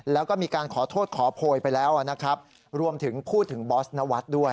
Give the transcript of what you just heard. แล้วก็มีการขอโทษขอโพยไปแล้วนะครับรวมถึงพูดถึงบอสนวัฒน์ด้วย